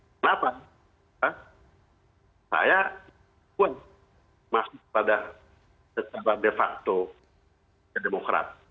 kenapa saya pun masuk pada de facto ke demokrat